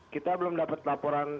kita belum dapat laporan